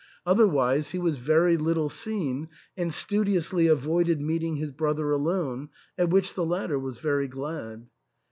Otherwise he was very little seen, and studiously avoided meeting his brother alone, at which the latter was very glad.